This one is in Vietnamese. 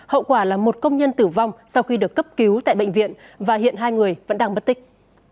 hậu quả là một công nhân tử vong sau khi được cấp cứu tại bệnh viện và hiện hai người vẫn đang bất tích